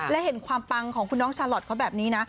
และเห็นความปังของคุณน้องชาลอทเขาแบบนี้นะ